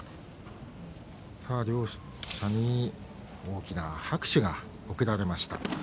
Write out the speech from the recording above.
両者に大きな拍手が送られました。